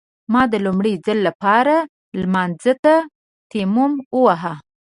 ما د لومړي ځل لپاره لمانځه ته تيمم وواهه.